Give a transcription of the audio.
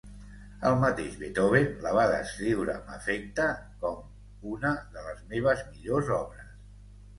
El mateix Beethoven la va descriure amb afecte com "una de les meves millors obres".